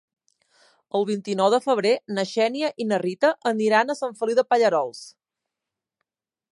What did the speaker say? El vint-i-nou de febrer na Xènia i na Rita aniran a Sant Feliu de Pallerols.